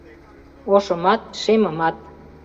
Ошымат, шемымат.